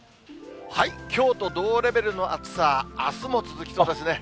きょうと同レベルの暑さ、あすも続きそうですね。